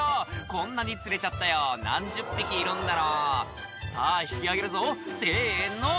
「こんなに釣れちゃったよ何十匹いるんだろう」「さぁ引き上げるぞせの！」